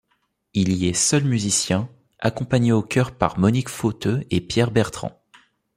Il y est seul musicien, accompagné aux chœurs par Monique Fauteux et Pierre Bertrand.